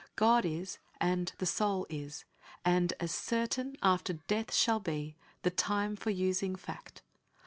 ,.. God is, and the soul is, and, as certain after death shall be The time for using fact